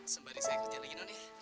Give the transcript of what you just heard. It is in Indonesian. sembari saya kerja lagi